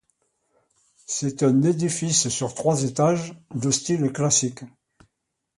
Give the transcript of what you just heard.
C'est un édifice sur trois étages de style classique.